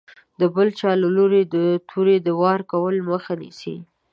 د بل له لوري د تورې د وار کولو مخه نیسي.